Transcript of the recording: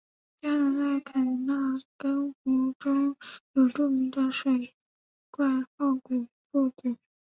加拿大欧肯纳根湖中有著名的水怪奥古布古。